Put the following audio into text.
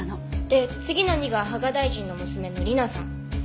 で次の２が芳賀大臣の娘の理菜さん。